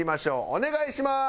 お願いします！